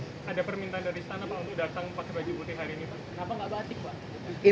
kenapa nggak berhasil